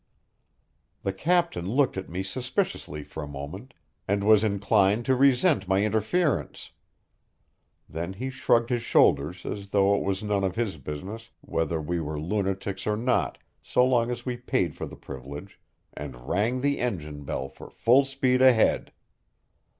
The captain looked at me suspiciously for a moment, and was inclined to resent my interference. Then he shrugged his shoulders as though it was none of his business whether we were lunatics or not so long as we paid for the privilege, and rang the engine bell for full speed ahead.